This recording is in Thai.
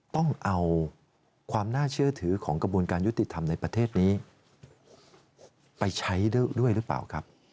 ต้องเอาความน่าเชื่อถือของกระบวนการยุติธรรมในประเทศนี้ไปใช้ด้วยหรือเปล่าครับ